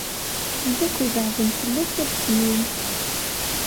Wid akk ibeɛden fell-ak ad fnun.